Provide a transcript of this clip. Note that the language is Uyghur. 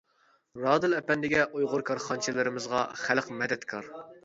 رادىل ئەپەندىگە، ئۇيغۇر كارخانىچىلىرىمىزغا خەلق مەدەتكار.